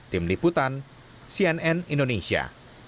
tim liputan cnn indonesia